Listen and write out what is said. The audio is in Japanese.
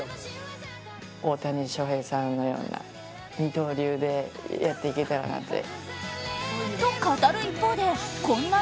大谷翔平さんのような二刀流でやっていけたらなって。